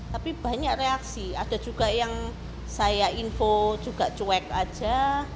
tapi banyak reaksi ada juga yang saya info juga cuek aja